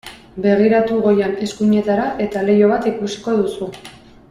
Begiratu goian eskuinetara eta leiho bat ikusiko duzu.